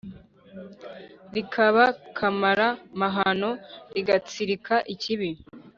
Rikaba kamara mahano rigatsirika ikibi